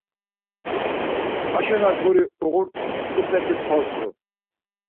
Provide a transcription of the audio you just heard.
Haşo na guri uğurt̆upeti kort̆u.